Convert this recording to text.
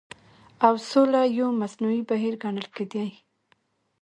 او سوله يو مصنوعي بهير ګڼل کېدی